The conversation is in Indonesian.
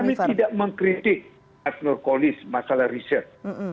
kami tidak mengkritik as nurkolis masalah riset